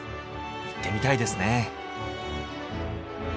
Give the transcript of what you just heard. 行ってみたいですね。